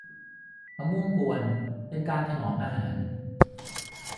มะม่วงกวน เป็นการถนอมอาหาร